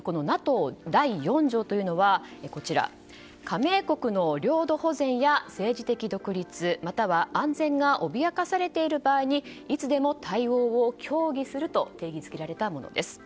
ＮＡＴＯ第４条というのは加盟国の領土保全や政治的独立または安全が脅かされている場合にいつでも対応を協議すると定義づけられたものです。